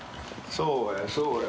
そうやそうや。